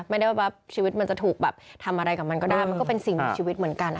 ไม่ได้ว่าชีวิตมันจะถูกแบบทำอะไรกับมันก็ได้มันก็เป็นสิ่งมีชีวิตเหมือนกัน